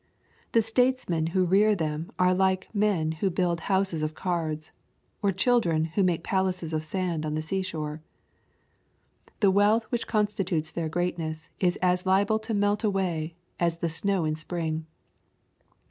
The statesmen who rear them are like men who build houses of cards, or children, who make palaces of sand on the sea shore. The wealth which constitutes their greatness is as liable to melt away as the snow in spring.